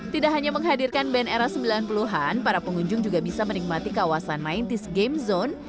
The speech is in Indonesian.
tidak hanya menghadirkan band era sembilan puluh an para pengunjung juga bisa menikmati kawasan sembilan puluh game zone